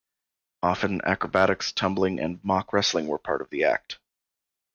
Often acrobatics, tumbling and mock wrestling were part of the act.